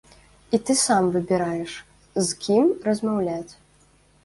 І ты сам выбіраеш, з кім размаўляць.